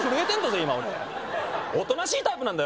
今俺おとなしいタイプなんだよ